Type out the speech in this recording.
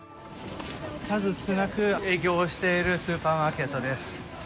数少なく営業しているスーパーマーケットです。